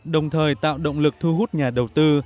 đồng thời tạo động lực thu hút nhà đầu tư